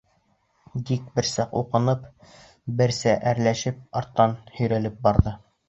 Дик берсә уҡынып, берсә әрләшеп арттан һөйрәлеп барҙы.